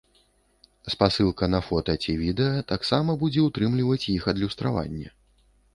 Спасылка на фота ці відэа таксама будзе ўтрымліваць іх адлюстраванне.